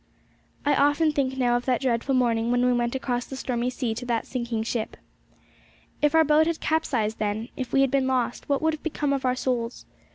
I often think now of that dreadful morning when we went across the stormy sea to that sinking ship. If our boat had capsized then, if we had been lost, what would have become of our souls?